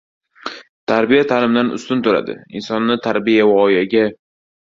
Tarbiya ta’limdan ustun turadi. Insonni tarbiya voyaga